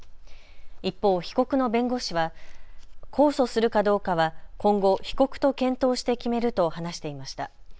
一方、被告の弁護士は控訴するかどうかは今後、被告と検討して決めると話していました。